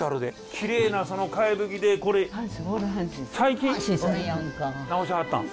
きれいなそのかやぶきでこれ最近直しはったん？